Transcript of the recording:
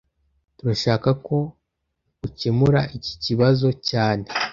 Turashaka ko ukemura iki kibazo cyane